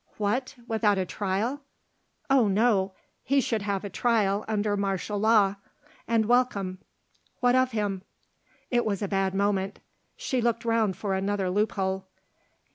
"What, without a trial?" "Oh no! He should have a trial under martial law and welcome. What of him?" It was a bad moment. She looked round for another loophole.